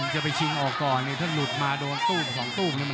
จะชิงออกก่อนถ้าหลุดมาโดนตู้ต่อ๒ตู้มา